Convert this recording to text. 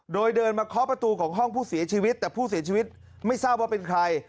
โดยเดินมาเคาะประตูของห้องผู้เสียชีวิตแต่ผู้เสียชีวิตไม่ทราบว่าเป็นใคร